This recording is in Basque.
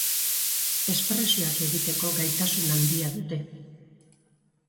Espresioak egiteko gaitasun handia dute.